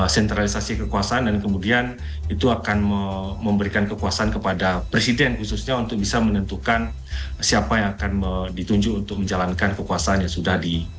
sentralisasi kekuasaan dan kemudian itu akan memberikan kekuasaan kepada presiden khususnya untuk bisa menentukan siapa yang akan ditunjuk untuk menjalankan kekuasaan yang sudah di